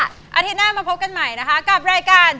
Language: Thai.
อาทิตย์หน้ามาพบกันใหม่นะคะกับรายการ